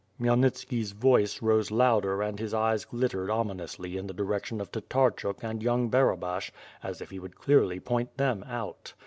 Khmyelnitski's voice rose louder and his eyes glittered ominously in the direction of Tatarchuk and young Barabash, as if he would clearly point them out.